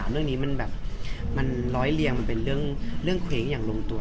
เรื่องรอยเรียงมันเป็นเรื่องเค้งอย่างรงตัว